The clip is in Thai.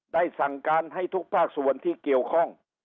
สั่งการให้ทุกภาคส่วนที่เกี่ยวข้อง